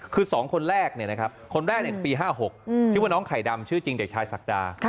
คือ๒คนแรกคนแรกปี๕๖ชื่อว่าน้องไข่ดำชื่อจริงเด็กชายศักดา